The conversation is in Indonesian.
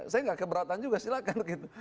saya tidak keberatan juga silakan gitu